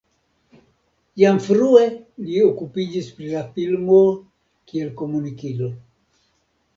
Jam frue li okupiĝis pri la filmo kiel komunikilo.